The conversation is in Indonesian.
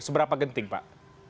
seberapa genting pak